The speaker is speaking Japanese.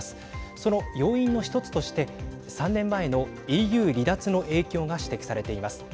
その要因の１つとして３年前のＥＵ離脱の影響が指摘されています。